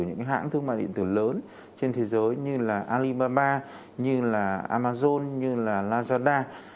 những hãng thương mại điện tử lớn trên thế giới như là alibaba như là amazon như là lazada